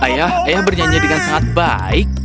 ayah ayah bernyanyi dengan sangat baik